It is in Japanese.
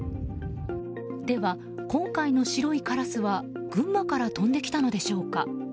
では今回の白いカラスは群馬から飛んできたのでしょうか。